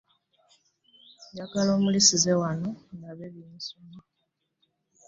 Njagala ammulisiza wano ndabe bye nsoma.